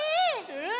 うん！